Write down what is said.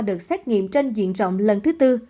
đợt xét nghiệm trên diện rộng lần thứ bốn